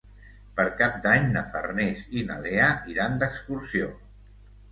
Per Cap d'Any na Farners i na Lea iran d'excursió.